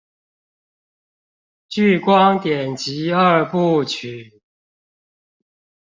颶光典籍二部曲